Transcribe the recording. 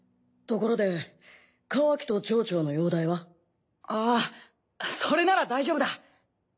ところでカワキとチョウチョウの容体は？ああそれなら大丈夫だ。